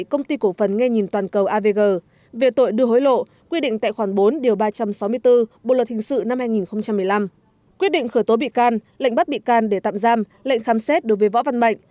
công ty cổ phần nghe nhìn toàn cầu avg về tội đưa hối lộ quy định tại khoản bốn điều ba trăm sáu mươi bốn bộ luật hình sự năm hai nghìn một mươi năm quyết định khởi tố bị can lệnh bắt bị can để tạm giam lệnh khám xét đối với võ văn mạnh